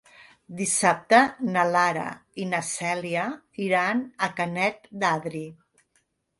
Dissabte na Lara i na Cèlia iran a Canet d'Adri.